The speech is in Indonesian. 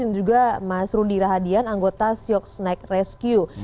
dan juga mas rudi rahadian anggota siok snake rescue